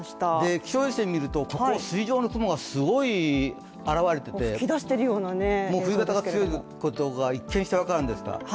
気象衛星を見ると、ここに筋状の雲がすごい現れていて、冬型が強いことが、一見して分かるんですが。